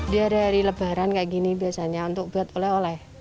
dia dari lebaran kayak gini biasanya untuk buat oleh oleh